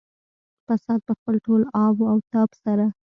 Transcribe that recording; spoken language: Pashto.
فساد په خپل ټول آب او تاب سره.